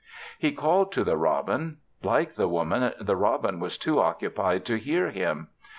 He called to the robin; like the Woman, the robin was too occupied to hear him.